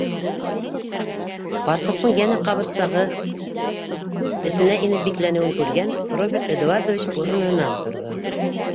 Ҡарсыҡтың йәнә ҡабырсығы эсенә инеп бикләнеүен күргән Роберт Эдуардович урынынан торҙо.